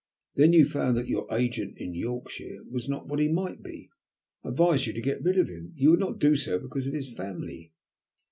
Then you found that your agent in Yorkshire was not what he might be. I advised you to get rid of him. You would not do so because of his family.